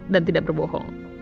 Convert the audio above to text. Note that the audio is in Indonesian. dan tidak berbohong